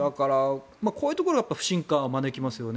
そういうところは不信感を招きますよね。